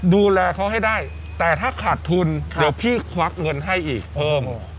ดูแลเขาให้ได้แต่ถ้าขาดทุนเดี๋ยวพี่ควักเงินให้อีกเพิ่ม